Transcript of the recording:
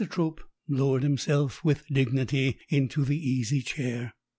Trope lowered himself with dignity into the easy chair.